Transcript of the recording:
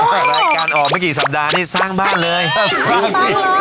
รายการออกไม่กี่สัปดาห์นี่สร้างบ้านเลยสร้างสิ